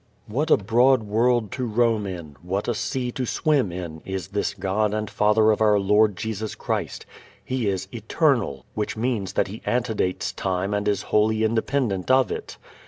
What a broad world to roam in, what a sea to swim in is this God and Father of our Lord Jesus Christ. He is eternal, which means that He antedates time and is wholly independent of it.